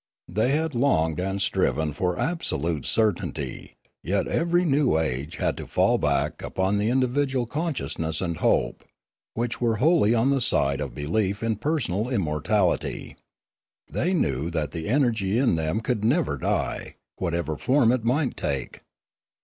They had longed and striven for absolute certainty, yet every new age had to fall back upon the individual consciousness and hope, which were wholly on the side of belief in personal im mortality. They knew that the energy in them could never die, whatever form it might take.